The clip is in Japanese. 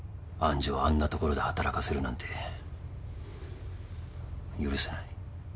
愛珠をあんな所で働かせるなんて許せない。